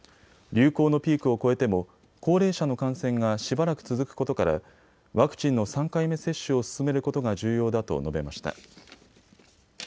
流行のピークを越えても高齢者の感染がしばらく続くことからワクチンの３回目接種を進めることが重要だと述べました。